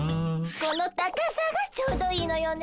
この高さがちょうどいいのよね。